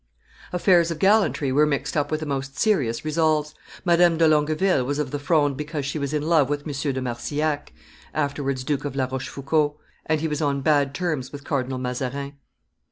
] Affairs of gallantry were mixed up with the most serious resolves; Madame de Longueville was of the Fronde because she was in love with M. de Marsillac (afterwards Duke of La Rochefoucauld), and he was on bad terms with Cardinal Mazarin.